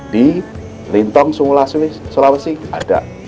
di lintong simulasi sulawesi ada